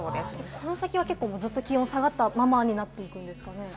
この先は気温下がったままになっていくんですかね。